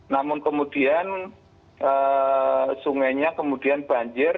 namun kemudian sungainya kemudian banjir